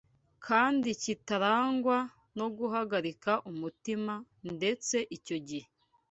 kandi kitarangwa no guhagarika umutima, ndetse icyo gihe